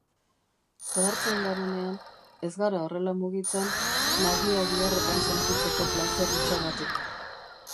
Zahartzen garenean, ez gara horrela mugitzen, nagia giharretan sentitzeko plazer hutsagatik.